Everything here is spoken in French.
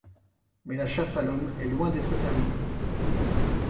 Mais la chasse à l'homme est loin d'être terminée...